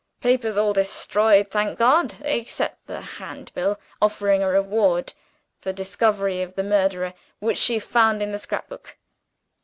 Papers all destroyed, thank God except the Handbill, offering a reward for discovery of the murderer, which she found in the scrap book.